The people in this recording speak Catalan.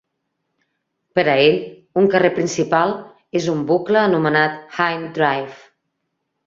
Per a ell, un carrer principal és un bucle anomenat Hind Drive.